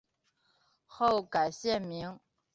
后改现名。